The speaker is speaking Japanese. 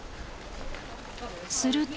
すると。